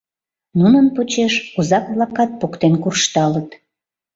Нунын почеш озак-влакат поктен куржталыт.